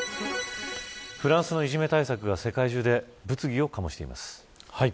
フランスのいじめ対策が世界中で物議を醸しています。